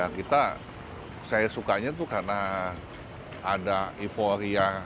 kita saya sukanya itu karena ada euforia